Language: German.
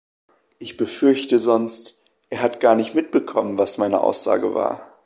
Ich befürchte sonst, er hat gar nicht mitbekommen, was meine Aussage war.